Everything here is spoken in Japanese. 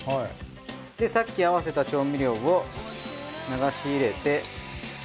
でさっき合わせた調味料を流し入れて。